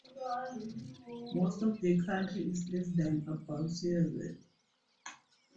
Most of the county is less than above sea level.